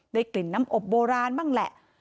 กลิ่นน้ำอบโบราณบ้างแหละ